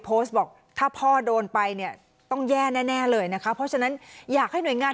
โพสต์บอกถ้าพ่อโดนไปเนี่ยต้องแย่แน่เลยนะคะเพราะฉะนั้นอยากให้หน่วยงาน